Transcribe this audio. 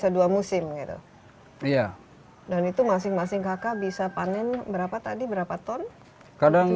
dua musim gitu iya dan itu masing masing kakak bisa panen berapa tadi berapa ton kalau